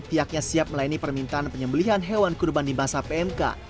pihaknya siap melayani permintaan penyembelihan hewan kurban di masa pmk